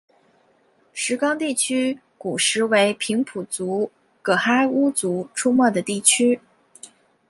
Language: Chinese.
石冈地区古时为平埔族群噶哈巫族出没的地区。